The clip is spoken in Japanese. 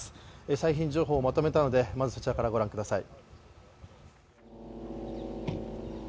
最新情報をまとめたのでそちらからご覧ください。